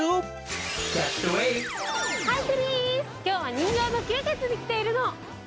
今日は人形の久月に来ているの。